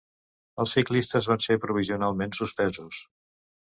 Els ciclistes van ser provisionalment suspesos.